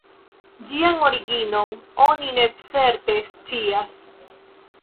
Ĝian originon oni ne certe scias.